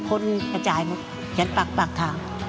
พ้นกระจายมาเห็นปากปากทาง